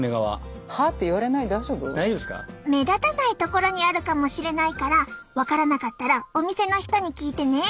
目立たないところにあるかもしれないから分からなかったらお店の人に聞いてね。